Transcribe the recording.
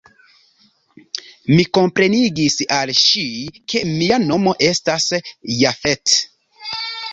Mi komprenigis al ŝi, ke mia nomo estas Jafet.